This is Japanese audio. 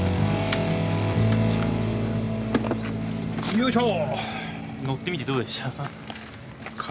よいしょ。